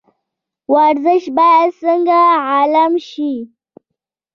ورزش باید څنګه عام شي؟